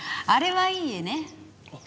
あれはいい絵ね。